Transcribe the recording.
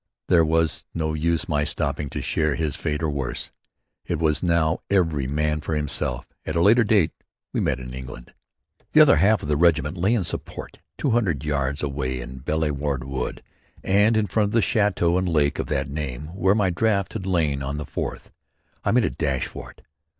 There was no use in my stopping to share his fate or worse. It was now every man for himself. At a later date we met in England. The other half of the regiment lay in support two hundred yards away in Belle waarde Wood and in front of the château and lake of that name, where my draft had lain on the fourth. I made a dash for it.